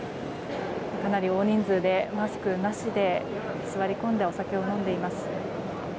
かなり大人数でマスクなしで座り込んでお酒を飲んでいます。